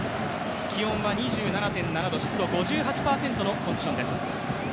気温は２７．７度、湿度５８％のコンディションです。